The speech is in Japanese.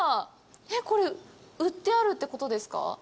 これ売ってあるってことですか？